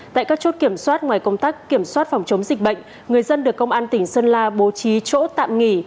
tại các chốt kiểm soát ngoài công tác kiểm soát phòng chống dịch bệnh người dân được công an tỉnh sơn la bố trí chỗ tạm nghỉ